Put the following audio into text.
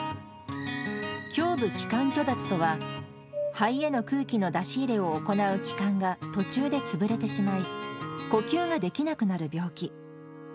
胸部気管虚脱とは、肺への空気の出し入れを行う気管が、途中で潰れてしまい、呼吸ができなくなる病気。